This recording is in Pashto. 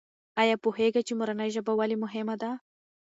آیا پوهېږې چې مورنۍ ژبه ولې مهمه ده؟